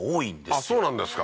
あっそうなんですか